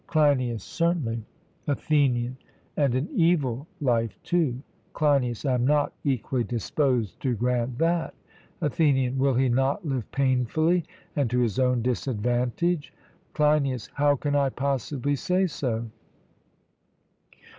CLEINIAS: Certainly. ATHENIAN: And an evil life too? CLEINIAS: I am not equally disposed to grant that. ATHENIAN: Will he not live painfully and to his own disadvantage? CLEINIAS: How can I possibly say so?